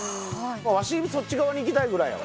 わしそっち側に行きたいぐらいやわ。